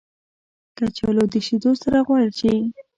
کچالو د شیدو سره غوړ شي